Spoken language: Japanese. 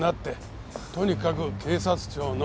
とにかく警察庁の。